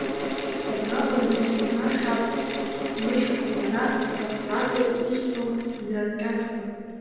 Убраҟа заҵәык унаршә авҟьеит, Мышьхәа, сара лақмарӡам исҳәо, мҩаркьаҿгоуп.